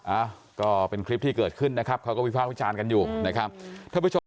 อ่าก็เป็นคลิปที่เกิดขึ้นนะครับเขาก็วิภาควิชาญกันอยู่นะครับ